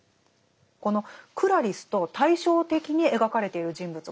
このクラリスと対照的に描かれている人物がいるんですね。